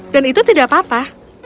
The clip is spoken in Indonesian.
dan itu tidak apa apa